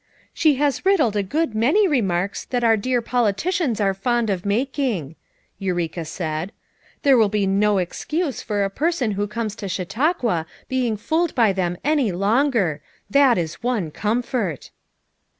"She has riddled a good many remarks that our dear politicians are fond of making," Eureka said. "There will be no excuse for a person who comes to Chautauqua being fooled by them any longer; that is one comfort."